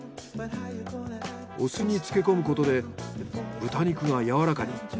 お酢につけこむことで豚肉がやわらかに。